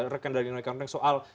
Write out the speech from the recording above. rekan dari nino ika rundeng soal